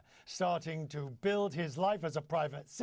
mencari kehidupannya sebagai warga pribadi